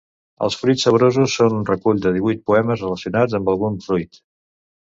Els fruits saborosos és un recull de divuit poemes relacionats amb algun fruit.